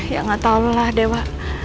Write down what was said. ya gak tau lah dewa